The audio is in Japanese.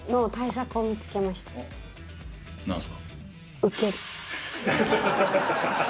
何すか？